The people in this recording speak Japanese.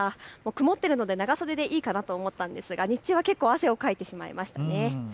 曇っているので長袖でいいかなと思ったんですが日中は汗をかいてしまいましたね。